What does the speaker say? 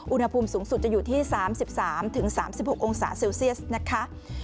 อุณหภูมิสูงสุดจะอยู่ที่๓๓๖องศาเซลเซียสนะคะ